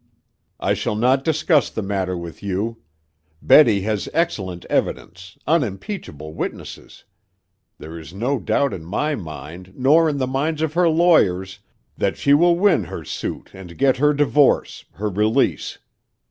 "I shall not discuss the matter with you. Betty has excellent evidence, unimpeachable witnesses. There is no doubt in my mind, nor in the minds of her lawyers, that she will win her suit and get her divorce, her release.